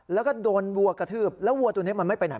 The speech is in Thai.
แล้วก็โดนวัวกระทืบแล้ววัวตัวนี้มันไม่ไปไหน